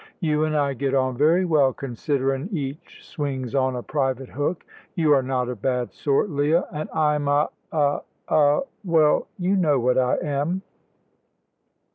You an' I get on very well, considerin' each swings on a private hook. You are not a bad sort, Leah, and I'm a a a well, you know what I am."